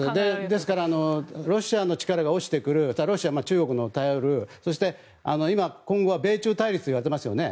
ですからロシアの力が落ちてくるそうするとロシアは中国に頼るそして、今後は米中対立になりますよね。